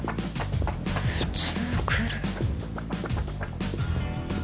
普通来る？